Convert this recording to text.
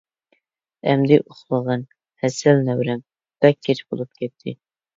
ئەمدى ئۇخلىغىن ھەسەل نەۋرەم، بەك كەچ بولۇپ كەتتى.